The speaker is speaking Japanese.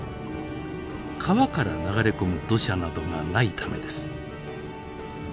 川から流れ込む土砂などがないためです。